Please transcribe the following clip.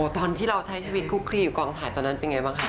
ตอนที่เราใช้ชีวิตคุกคลีอยู่กองถ่ายตอนนั้นเป็นไงบ้างคะ